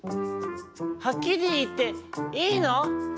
はっきりいっていいの？